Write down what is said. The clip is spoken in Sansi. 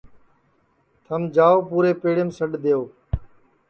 تھم جاؤ پُورے پیڑیم سڈؔ دؔیئو